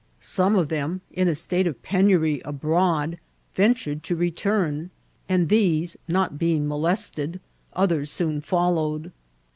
Some of them^ in a state of penury abroad, ventured to return, and these not being molest ed, others soon followed.